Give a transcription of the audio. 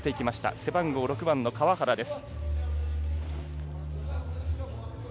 背番号６番の川原です。